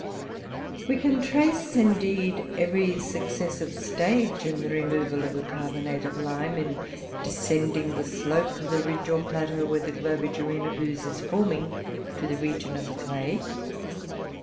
We can trace, indeed, every successive stage in the removal of the carbonate of lime in descending the slope of the ridge or plateau where the Globigerina ooze is forming, to the region of the clay.